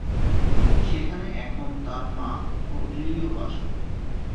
সেখানে এখন তার মা ও লিও বাস করে।